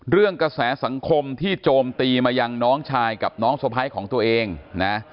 กระแสสังคมที่โจมตีมายังน้องชายกับน้องสะพ้ายของตัวเองนะ